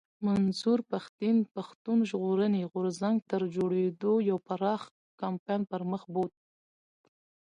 منظور پښتين پښتون ژغورني غورځنګ تر جوړېدو يو پراخ کمپاين پر مخ بوت